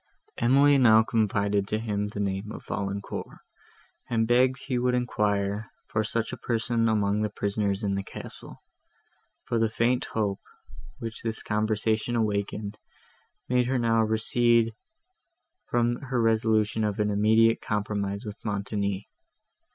Emily now confided to him the name of Valancourt, and begged he would enquire for such a person among the prisoners in the castle; for the faint hope, which this conversation awakened, made her now recede from her resolution of an immediate compromise with Montoni.